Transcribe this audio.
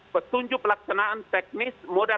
petunjuk pelaksanaan teknis moda